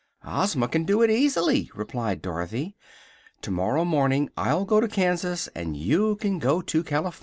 "Ozma can do it, easily," replied Dorothy. "Tomorrow morning I'll go to Kansas and you can go to Californy."